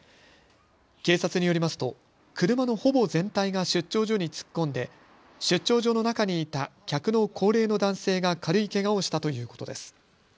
警察によりますと車のほぼ全体が出張所に突っ込んで出張所の中にいた客の高齢の男性が軽いけがをしたということです。